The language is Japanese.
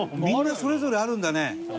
みんなそれぞれあるんだね。